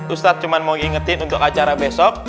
ustad cuma mau ingetin untuk acara besok